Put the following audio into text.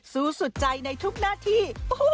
สู้สุดใจในทุกหน้าที่